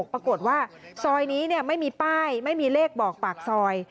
ปรากฏว่าซอยนี้ไม่มีป้ายไม่มีเลขบอกปากซอย